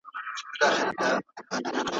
تاسو په پښتو ژبه خبرې کول خوښوئ؟